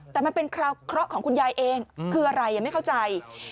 แต่มันเป็นคราวเคราะห์ของคุณยายเองคืออะไรยังไม่เข้าใจ